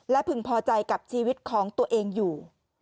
และพึงพอใจกับชีวิตของตัวเองอยู่